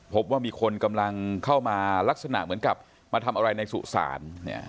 พบว่ามีคนกำลังเข้ามาลักษณะเหมือนกับมาทำอะไรในสุสาน